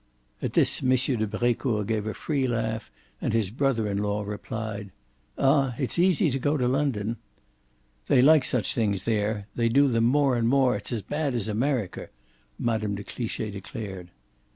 At this M. de Brecourt gave a free laugh and his brother in law replied: "Ah it's easy to go to London." "They like such things there; they do them more and more. It's as bad as America!" Mme. de Cliche declared.